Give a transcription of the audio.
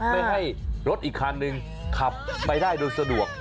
ไม่ให้รถอีกคันหนึ่งขับไปได้โดยสะดวก